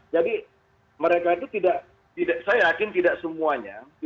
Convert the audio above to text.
jadi mereka itu tidak saya yakin tidak semuanya